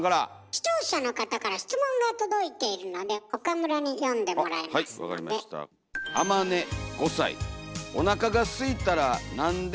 視聴者の方から質問が届いているので岡村に読んでもらいますので。